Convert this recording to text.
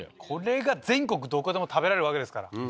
これが全国どこでも食べられるわけですから。